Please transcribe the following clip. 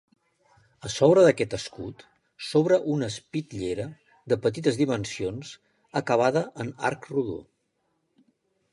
A sobre d'aquest escut, s'obre una espitllera de petites dimensions acabada en arc rodó.